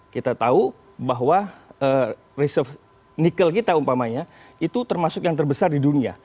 kita tahu bahwa reserve nikel kita umpamanya itu termasuk yang terbesar di dunia